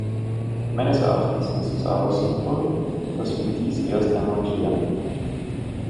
Meines Erachtens ist es aber sinnvoll, dass wir dies erst einmal klären.